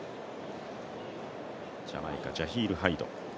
ジャマイカ、ジャヒール・ハイド。